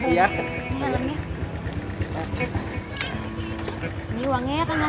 ini uangnya ya kang